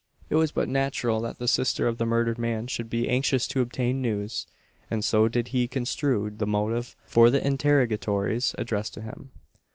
It was but natural that the sister of the murdered man should be anxious to obtain news; and so did he construe the motive for the interrogatories addressed to him.